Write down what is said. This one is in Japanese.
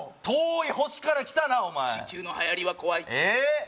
遠い星から来たなお前地球のはやりは怖いええ？